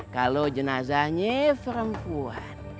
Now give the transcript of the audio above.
kalau jenazahnya perempuan